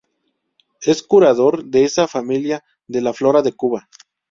Es curador de esa familia de la Flora de Cuba.